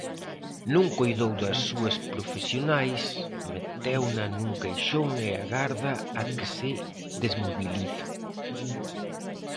Non coidou das súas profesionais, meteuna nun caixón e agarda a que se desmobilicen.